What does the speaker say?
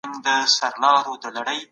د علم دروازې خلاصې دي.